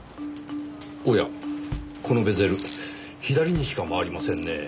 おやこのベゼル左にしか回りませんねぇ。